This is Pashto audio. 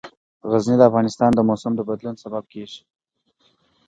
غزني د افغانستان د موسم د بدلون سبب کېږي.